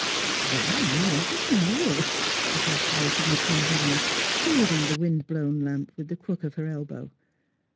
"" Well, I want t' know !" ejaculated Miss Mal vina, shielding the wind blown lamp with the crook of her elbow.